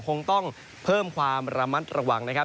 คงต้องเพิ่มความระมัดระวังนะครับ